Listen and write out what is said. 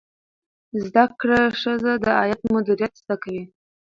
زده کړه ښځه د عاید مدیریت زده کوي.